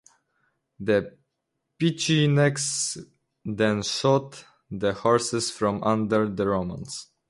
The Pechenegs then shot the horses from under the Romans.